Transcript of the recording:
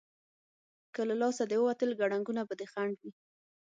که له لاسه دې ووتل، کړنګونه به دې خنډ وي.